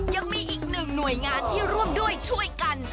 ยังมีอีกหนึ่งหน่วยงานที่ร่วมด้วยช่วยกัน